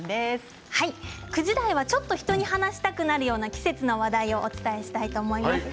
９時台はちょっと人に話したくなるような季節の話題をお伝えしたいと思います。